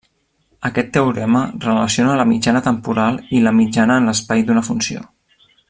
Aquest teorema relaciona la mitjana temporal i la mitjana en l'espai d'una funció.